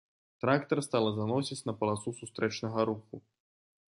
Трактар стала заносіць на паласу сустрэчнага руху.